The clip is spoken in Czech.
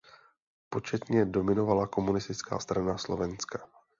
Početně dominovala Komunistická strana Slovenska.